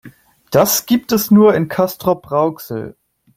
Das gibt es nur in Castrop-Rauxel